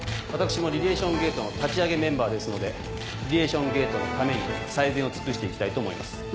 私もリレーション・ゲートの立ち上げメンバーですのでリレーション・ゲートのために最善を尽くして行きたいと思います。